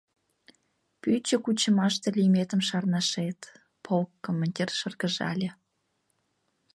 «Пӱчӧ» кучымаште лийметым шарнашет... — полк командир шыргыжале.